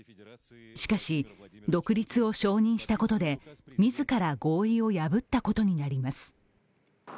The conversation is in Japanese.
しかし、独立を承認したことで自ら合意を破ったことになります。